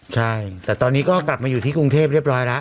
ใช่แต่ตอนนี้ก็กลับมาอยู่ที่กรุงเทพเรียบร้อยแล้ว